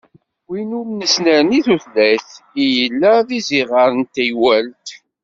Win n usnerni i tutlayt i yella d iẓiɣer n teywalt.